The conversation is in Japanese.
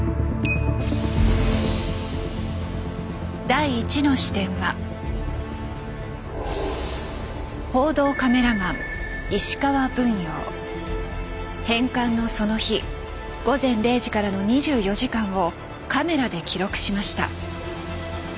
第１の視点は返還のその日午前０時からの２４時間をカメラで記録しました。